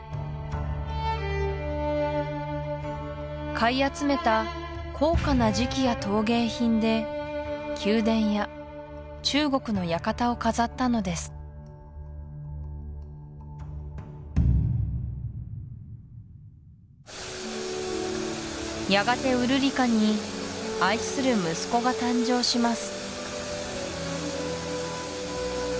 買い集めた高価な磁器や陶芸品で宮殿や中国の館を飾ったのですやがてウルリカに愛する息子が誕生します